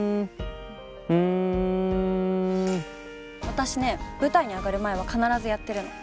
私ね舞台に上がる前は必ずやってるの。